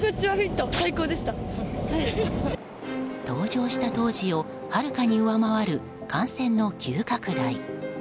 登場した当時をはるかに上回る感染の急拡大。